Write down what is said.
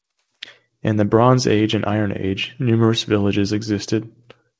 In the Bronze Age and Iron Age, numerous villages existed.